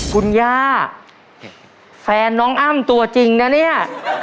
คุณย่าแฟนน้องอ้ำตัวจริงนะเนี่ย